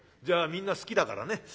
じゃあみんな好きだからね。